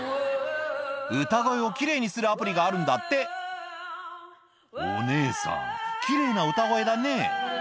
歌声を奇麗にするアプリがあるんだってお姉さん奇麗な歌声だね